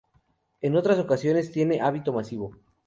En otras ocasiones tiene hábito masivo.